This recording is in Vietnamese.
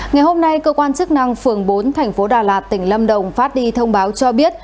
ngày hôm nay cơ quan chức năng phường bốn thành phố đà lạt tỉnh lâm đồng phát đi thông báo cho biết